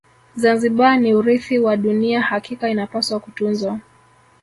zanzibar ni urithi wa dunia hakika inapaswa kutunzwa